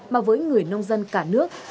mà với người nông dân cả nước